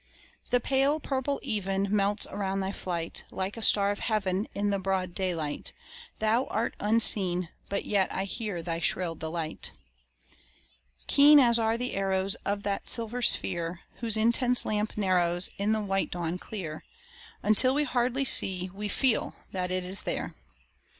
The pale purple even Melts around thy flight; Like a star of heaven In the broad daylight, Thou art unseen, but yet I hear thy shrill delight Keen as are the arrows Of that silver sphere Whose intense lamp narrows In the white dawn clear, Until we hardly see, we feel, that it is there.